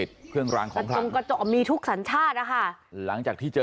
ตรงไว้ในบ้านตรงเมาช์มีทุกสัญชาตินะคะ